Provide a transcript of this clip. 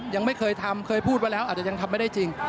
ยังไม่เคยทำเคยพูดไว้แล้วอาจจะยังทำไม่ได้จริง